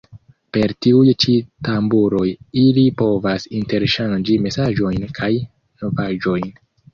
Per tiuj ĉi tamburoj ili povas interŝanĝi mesaĝojn kaj novaĵojn.